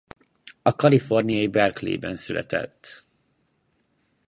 A kaliforniai Berkeley-ben született.